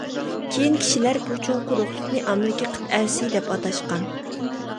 كېيىن كىشىلەر بۇ چوڭ قۇرۇقلۇقنى ئامېرىكا قىتئەسى دەپ ئاتاشقان.